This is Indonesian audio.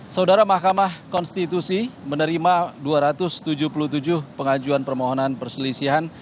saudara mahkamah konstitusi menerima dua ratus tujuh puluh tujuh pengajuan permohonan perselisihan